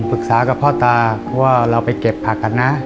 ปรึกษากับพ่อตาว่าเราไปเก็บผักกันนะ